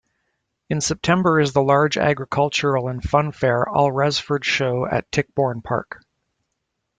In September is the large agricultural and funfair Alresford Show at Tichborne Park.